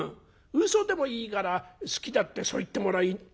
うそでもいいから好きだってそう言ってもらいてえじゃねえか」。